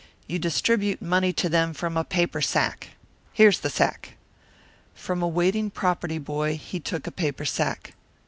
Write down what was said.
You distribute money to them from a paper sack. Here's the sack." From a waiting property boy he took a paper sack.